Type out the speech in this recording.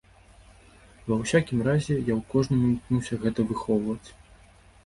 Ва ўсякім разе, я ў кожным імкнуся гэта выхоўваць.